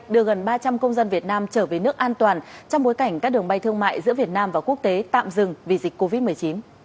đưa gần ba trăm linh công dân việt nam trở về nước an toàn trong bối cảnh các đường bay thương mại giữa việt nam và quốc tế tạm dừng vì dịch covid một mươi chín